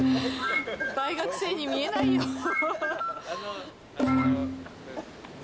大学生に見えないよ。